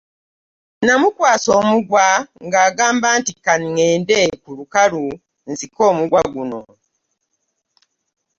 N'amukwasa omuguwa nga agamba nti "Ka nnende ku lukalu, nsike omuguwa guno.